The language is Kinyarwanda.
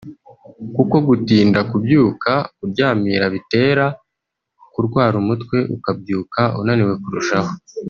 kuko gutinda kubyuka (kuryamira) bitera kurwara umutwe ukabyuka unaniwe kurushaho